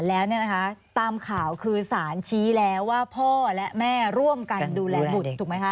แล้วเนี่ยนะคะตามข่าวคือสารชี้แล้วว่าพ่อและแม่ร่วมกันดูแลบุตรถูกไหมคะ